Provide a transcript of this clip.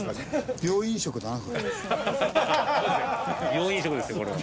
病院食ですよこれは。